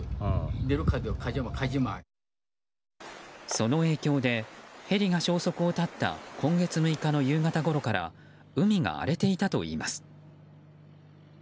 その影響でヘリが消息を絶った今月６月の夕方ごろから海が荒れていたといいます。